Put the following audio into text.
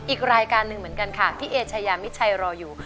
อีกรายการหนึ่งเหมือนกันค่ะพี่เอชายามิดชัยรออยู่